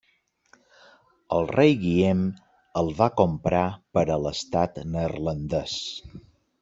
El rei Guillem el va comprar per l'estat Neerlandès.